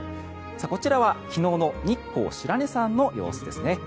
こちらは昨日の日光白根山の様子ですね。